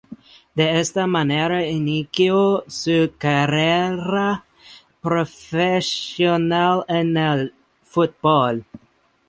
De esta manera, inicio su carrera profesional en el fútbol.